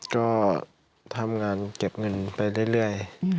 ก็ทำงานเก็บเงินไปเรื่อย